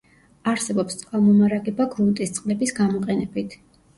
არსებობს წყალმომარაგება გრუნტის წყლების გამოყენებით.